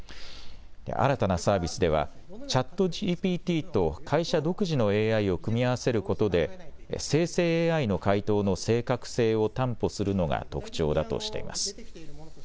新たなサービスではＣｈａｔＧＰＴと会社独自のＡＩを組み合わせることで生成ＡＩの回答の正確性を担保するのが特徴だとしています。